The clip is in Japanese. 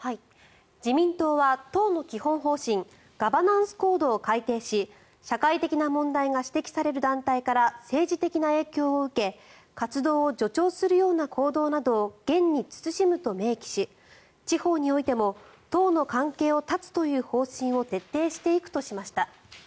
自民党は党の基本方針ガバナンスコードを改訂し社会的な問題が指摘される団体から政治的な影響を受け活動を助長するような行動などを厳に慎むと明記し地方においても党の関係を絶つという方針を徹底していくとしました。